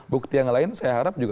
bukti yang lain saya harap juga